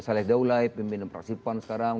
saleh daulahid pimpinan praksipan sekarang